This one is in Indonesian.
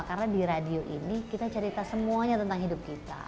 karena di radio ini kita cerita semuanya tentang hidup kita